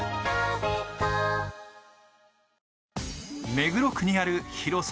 目黒区にある広さ